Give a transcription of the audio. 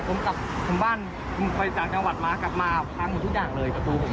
ผมกลับบ้านผมไปจากจังหวัดมากลับมาทั้งหมดทุกจังเลยประตู